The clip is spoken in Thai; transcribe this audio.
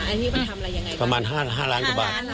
อันนี้เป็นทำอะไรยังไงบ้างประมาณห้าห้าร้านกว่าบาทห้าร้าน